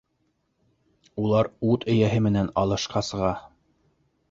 Улар ут эйәһе менән алышҡа сыға.